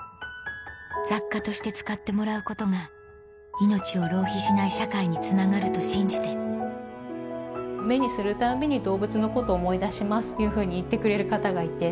雑貨として使ってもらうことが命を浪費しない社会につながると信じて目にするたんびに動物のことを思い出しますっていうふうに言ってくれる方がいて。